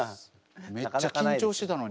めっちゃ緊張してたのに。